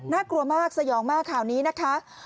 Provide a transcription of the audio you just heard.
กลัวมากสยองมากข่าวนี้นะคะ